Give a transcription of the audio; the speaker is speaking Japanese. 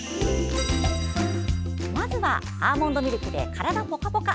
まずはアーモンドミルクで体ぽかぽか！